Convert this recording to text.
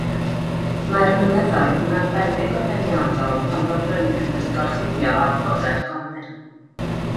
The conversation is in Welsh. Mae'r mynyddoedd yn arbennig o ddeniadol pan fo'r bryniau wedi'u gorchuddio â blodau'r gwanwyn.